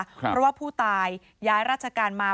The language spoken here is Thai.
เพราะว่าผู้ตายย้ายราชการมา